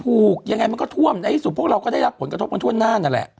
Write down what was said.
ยังไงมันก็ท่วมในที่สุดพวกเราก็ได้รับผลกระทบกันทั่วหน้านั่นแหละ